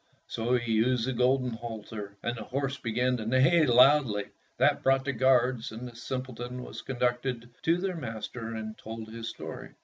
So he used the golden halter, and the horse began to neigh loudly. That brought the guards, and the simpleton was conducted to their master and told his story.